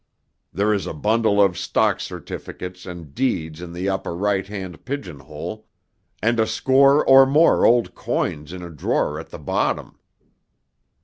There is a bundle of stock certificates and deeds in the upper right hand pigeonhole, and a score or more old coins in a drawer at the bottom."